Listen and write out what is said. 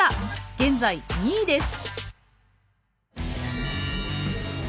現在２位です。